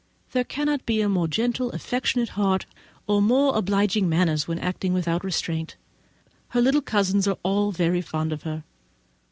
There cannot be a more gentle, affectionate heart; or more obliging manners, when acting without restraint; and her little cousins are all very fond of her.